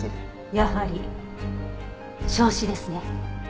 やはり焼死ですね。